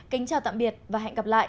kính chào tạm biệt và hẹn gặp lại